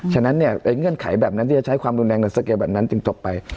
ฉะนั้นเนี่ยเงื่อนไขแบบนั้นที่จะใช้ความรุนแรงในสเกลแบบนั้นจึงจบไป